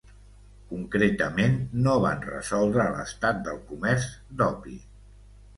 Concretament no van resoldre l'estat del comerç d'opi.